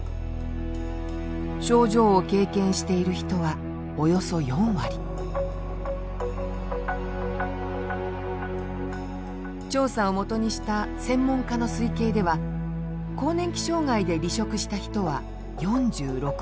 症状を経験している人はおよそ４割調査をもとにした専門家の推計では更年期障害で離職した人は４６万人。